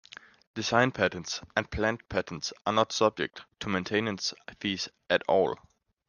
Design patents and plant patents are not subject to maintenance fees at all.